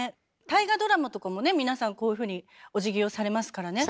大河ドラマとかもね皆さんこういうふうにおじぎをされますからね。